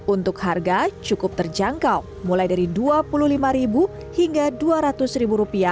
untuk harga cukup terjangkau mulai dari rp dua puluh lima hingga rp dua ratus